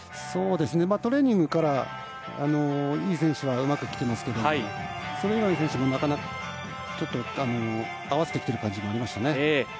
トレーニングからいい選手はうまくきてますけどそれ以外の選手も、ちょっと合わせてきている感じがありました。